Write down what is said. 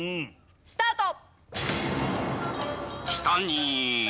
スタート！